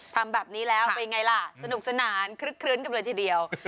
ทำแบบนี้แล้วเป็นอย่างไรล่ะสนุกสนานครึ้นกันเลยทีเดียว